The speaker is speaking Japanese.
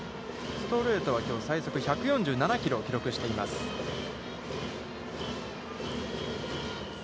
ストレートはきょう最速、１４７キロを記録しています。